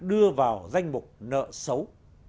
đưa vào danh mục nợ xấu